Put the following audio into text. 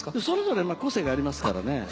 それぞれ個性がありますからね。